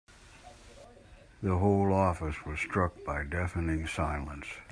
The whole office was struck by a deafening silence.